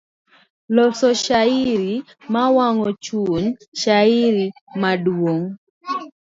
Loso shairi, mawang'o chuny, shairi maduong'.